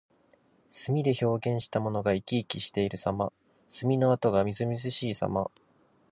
墨で表現したものが生き生きしているさま。墨の跡がみずみずしいさま。